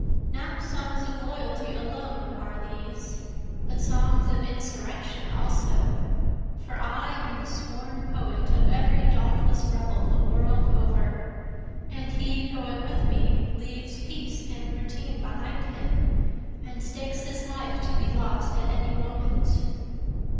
(Not songs of loyalty alone are these, But songs of insurrection also, For I am the sworn poet of every dauntless rebel the world over, And he going with me leaves peace and routine behind him, And stakes his life to be lost at any moment.)